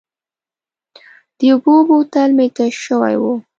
د اوبو بوتل مې تش شوی و.